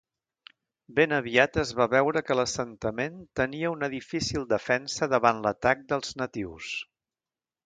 Ben aviat es va veure que l'assentament tenia una difícil defensa davant l'atac dels natius.